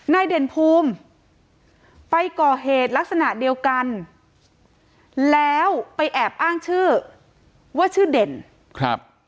เด่นภูมิไปก่อเหตุลักษณะเดียวกันแล้วไปแอบอ้างชื่อว่าชื่อเด่นครับ